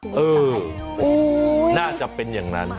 เออน่าจะเป็นอย่างนั้น